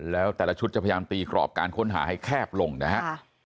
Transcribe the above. แล้วแต่ละชุดจะพยายามตีกรอบการค้นหาให้แคบลงนะฮะ